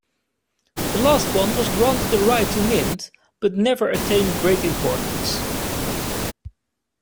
The last one was granted the right to mint but never attained great importance.